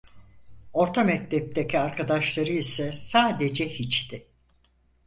Orta mektepteki arkadaşları ise sadece hiçti…